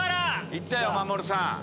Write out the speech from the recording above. いったよ真守さん。